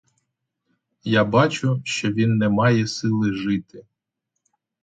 Я бачу, що він не має сили жити.